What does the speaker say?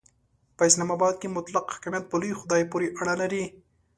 په اسلام کې مطلق حاکمیت په لوی خدای پورې اړه لري.